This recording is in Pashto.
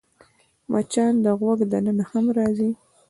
مچان د غوږ دننه هم راځي